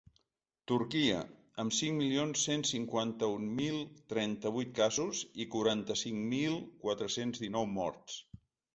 Turquia, amb cinc milions cent cinquanta-un mil trenta-vuit casos i quaranta-cinc mil quatre-cents dinou morts.